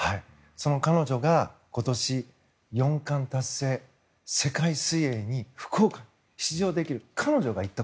その彼女が今年４冠達成、世界水泳に福岡、出場できる。